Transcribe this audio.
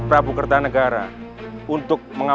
berikilah kakak kakak kamendan